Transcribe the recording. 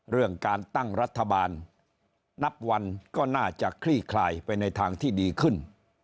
เรื่องการตั้งรัฐบาลนับวันก็น่าจะคลี่คลายไปในทางที่ดีขึ้น